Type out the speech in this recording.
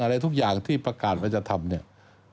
อะไรทุกอย่างที่ประกาศมัยจะทำ